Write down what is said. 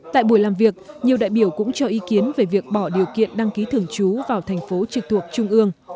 tại buổi làm việc nhiều đại biểu cũng cho ý kiến về việc bỏ điều kiện đăng ký thường trú vào thành phố trực thuộc trung ương